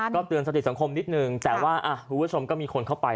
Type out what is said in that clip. เดี๋ยวเพิ่งหลงทางการ